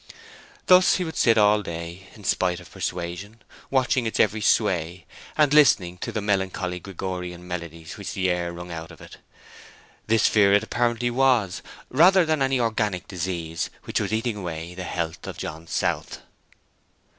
Thus he would sit all day, in spite of persuasion, watching its every sway, and listening to the melancholy Gregorian melodies which the air wrung out of it. This fear it apparently was, rather than any organic disease which was eating away the health of John South.